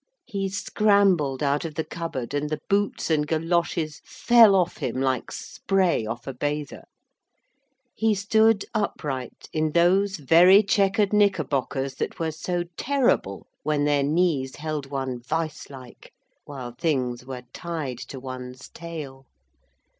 He scrambled out of the cupboard, and the boots and goloshes fell off him like spray off a bather. He stood upright in those very chequered knickerbockers that were so terrible when their knees held one vice like, while things were tied to one's tail.